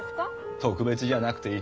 特別じゃなくていい。